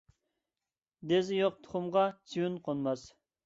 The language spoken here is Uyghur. دېزى يوق تۇخۇمغا چىۋىن قونماس.